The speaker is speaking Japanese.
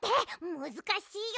むずかしいよ。